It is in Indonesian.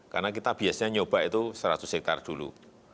karena kita biasanya nyoba itu seratus hektare dulu